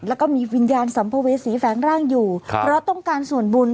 แล้วก็มีวิญญาณสัมภเวษีแฝงร่างอยู่ครับเพราะต้องการส่วนบุญ